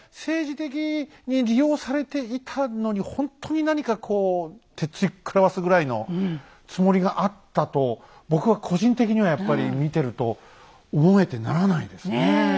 もうその本当に何かこう鉄くらわすぐらいのつもりがあったと僕は個人的にはやっぱり見てると思えてならないですね。